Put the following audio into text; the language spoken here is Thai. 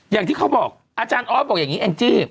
อย่างที่เขาบอกอาจารย์ออสบอกอย่างนี้แองจี้